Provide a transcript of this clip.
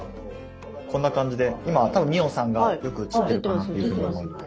こんな感じで今多分ミオンさんがよく映ってるかなというふうに思います。